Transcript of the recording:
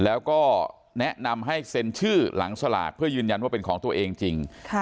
แล้วก็แนะนำให้เซ็นชื่อหลังสลากเพื่อยืนยันว่าเป็นของตัวเองจริง